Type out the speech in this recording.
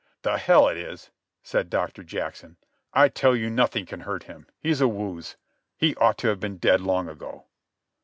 "The hell it is," said Doctor Jackson. "I tell you nothing can hurt him. He's a wooz. He ought to have been dead long ago."